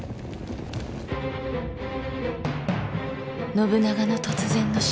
信長の突然の死。